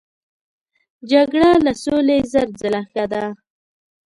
جګړه له سولې زر ځله ښه ده.